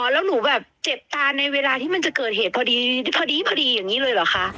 แล้วหนูแบบเจ็บตาในเวลาที่มันจะเกิดเหตุพอดีพอดีอย่างนี้เลยเหรอคะ